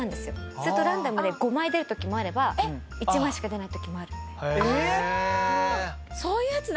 そうするとランダムで５枚出る時もあれば１枚しか出ない時もあるみたいな。